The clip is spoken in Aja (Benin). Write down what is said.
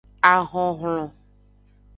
Ahonhlon.